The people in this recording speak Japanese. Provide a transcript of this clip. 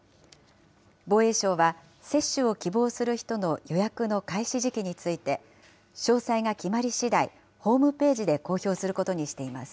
防衛省は、接種を希望する人の予約の開始時期について、詳細が決まりしだいホームページで公表することにしています。